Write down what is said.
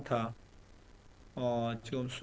kita tidak memiliki skuad yang bagus